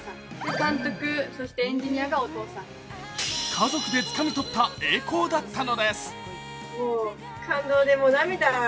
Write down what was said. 家族でつかみとった栄光だったのです。